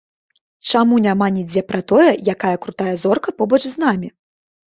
Чаму няма нідзе пра тое, якая крутая зорка побач з намі?